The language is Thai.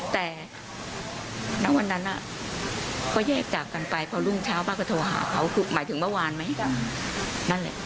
แต่ณวันนั้นเขาแยกจากกันไปพอรุ่งเช้าป้าก็โทรหาเขาคือหมายถึงเมื่อวานไหมนั่นแหละ